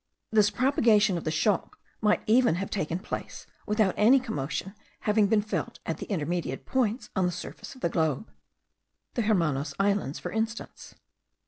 This propagation of the shock might even have taken place without any commotion having been felt at the intermediate points on the surface of the globe (the Hermanos Islands for instance).